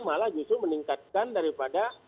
malah justru meningkatkan daripada